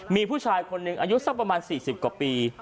มีผู้ชายคนหนึ่งอายุสักประมาณ๔๐กว่าปี